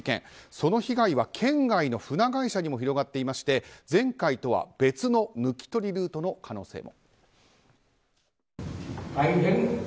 その被害は県外の船会社にも広がっていまして前回とは別の抜き取りルートの可能性も。